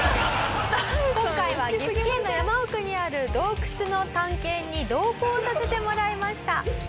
「今回は岐阜県の山奥にある洞窟の探検に同行させてもらいました」